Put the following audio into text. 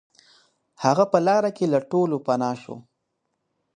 هغه په لاره کې له ټولو پناه شو.